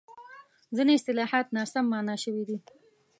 ځینې اصطلاحات ناسم مانا شوي دي.